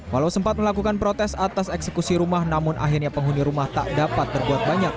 walau sempat melakukan protes atas eksekusi rumah namun akhirnya penghuni rumah tak dapat berbuat banyak